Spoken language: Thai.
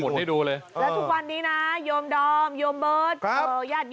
หมุนให้ดูเลยและทุกวันนี้นะโยมดอมโยมเบิศ